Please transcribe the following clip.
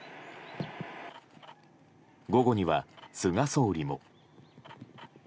午後には、菅総理も。